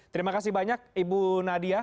terima kasih banyak ibu nadia